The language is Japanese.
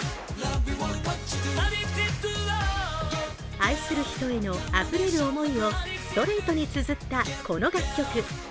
愛する人へのあふれる思いをストレートにつづったこの楽曲。